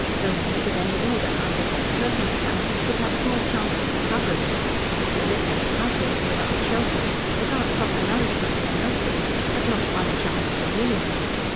Illness of any order, under such circumstances, would have small chance of recovery, but malignant typhoid without shelter, without proper nourishment or nursing, had not one chance in a million.